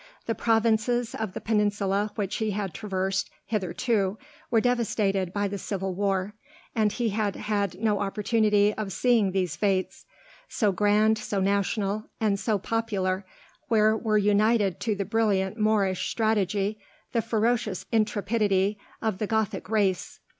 The provinces of the peninsula which he had traversed hitherto were devastated by the civil war, and he had had no opportunity of seeing these fêtes, so grand, so national, and so popular, where were united to the brilliant Moorish strategy the ferocious intrepidity of the Gothic race.